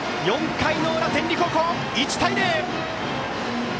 ４回の裏、天理高校１対０。